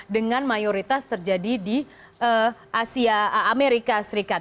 dengan mayoritas terjadi di asia amerika serikat